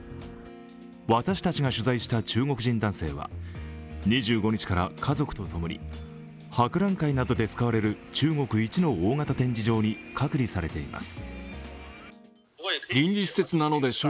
私たちが取材した中国人男性は、２５日から家族とともに博覧会などで使われる中国一の大型展示場に隔離されています。